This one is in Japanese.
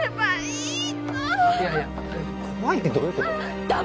いやいや怖いってどういうこと？